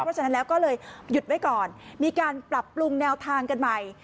เพราะฉะนั้นแล้วก็เลยหยุดไว้ก่อนมีการปรับปรุงแนวทางกันใหม่